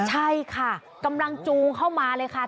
ใช่ค่ะกำลังจูงเข้ามาเลยค่ะ